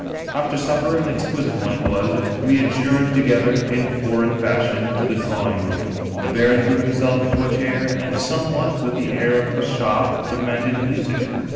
" After supper — ^an exquisite one it was — ^we adjourned together, in foreign fashion, to the drawing room; the baron threw himself into a chair and, somewhat with the air of a pasha, demanded music.